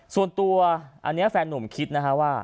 ส่วนตัวอันนี้แฟนหนุ่มคิดนะฮะว่า